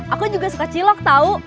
aku juga suka cilok tahu